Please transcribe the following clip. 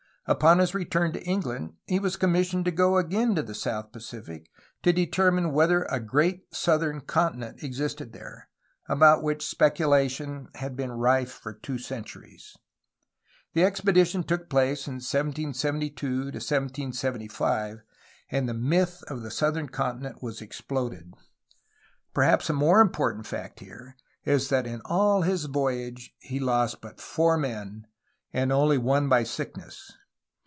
Upon his return to England he was commis sioned to go again to the south Pacific to determine whether a great southern continent existed there, about which spec ulation had been rife for two centuries. The expedition took place in 1772 1775, and the myth of the southern continent was exploded. Perhaps a more important fact here is that in all his voyage he lost but four men, and only one by 264 A HISTORY OF CALIFORNIA sickness.